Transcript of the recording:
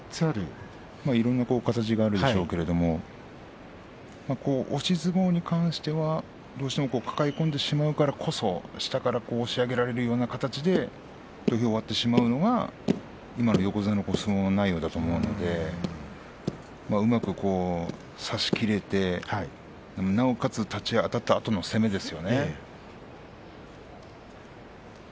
いろいろあるでしょうが押し相撲に関してはどうしても抱え込んでしまうからこそだから星を挙げられるような形で土俵を割ってしまうのが今の横綱の相撲内容だと思うのでうまく差しきれてなおかつ立ち合いあたったあとの攻めですよね。